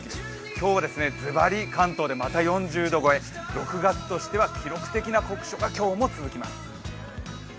今日はずばり、関東でまだ４０度超え６月としては記録的な酷暑が今日も続きます。